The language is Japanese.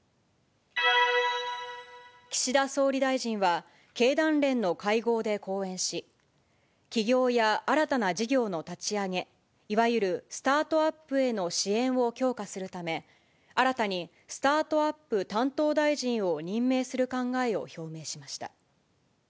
岸田総理大臣は、経団連の会合で講演し、起業や新たな事業の立ち上げ、いわゆるスタートアップへの支援を強化するため、新たにスタートアップ担当大臣を任命する考えを表明しました。